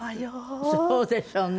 そうでしょうね。